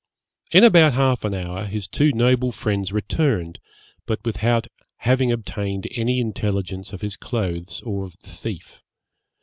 In about half an hour his two noble friends returned, but without having obtained any intelligence of his clothes or of the thief.